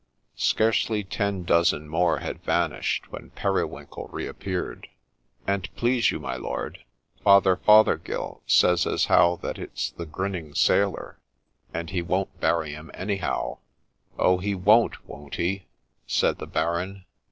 Scarcely ten dozen more had vanished when Periwinkle re appeared. ' An 't please you, my lord, Father Fothergill says as how that it 's the Grinning Sailor, and he won't bury him anyhow.' ' Oh ! he won't — won't he ?' said the Baron.